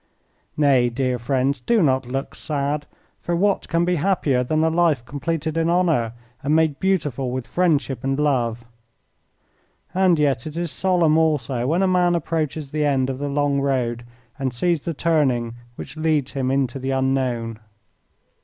Nay, dear friends, do not look sad, for what can be happier than a life completed in honour and made beautiful with friendship and love? And yet it is solemn also when a man approaches the end of the long road and sees the turning which leads him into the unknown.